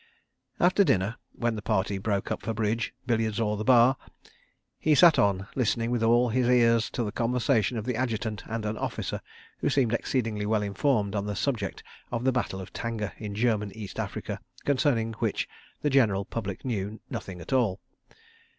After dinner, when the party broke up for bridge, billiards or the bar, he sat on, listening with all his ears to the conversation of the Adjutant and an officer, who seemed exceedingly well informed on the subject of the battle of Tanga, in German East Africa, concerning which the general public knew nothing at all.